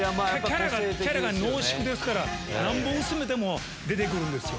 キャラが濃縮ですからなんぼ薄めても出て来るんですよ。